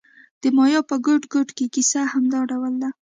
د مایا په ګوټ ګوټ کې کیسه همدا ډول ده